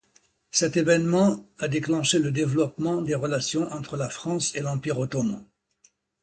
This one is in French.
Cet événement a déclenché le développement des relations entre la France et l'Empire ottoman.